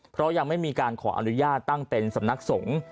เพราะยังไม่มีการขออนุญาตตั้งเป็นสำนักสงฆ์